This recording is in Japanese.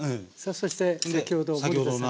そして先ほど森田さんが作った。